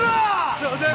すいません！